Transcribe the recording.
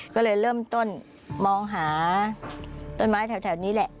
ก็เลยเริ่มต้นมองหาต้นไม้แถวนี้แหละ